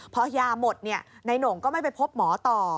พอยาหมดนายโหน่งก็ไม่ไปพบหมอต่อ